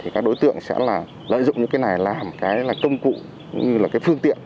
các đối tượng sẽ lợi dụng những cái này làm công cụ như phương tiện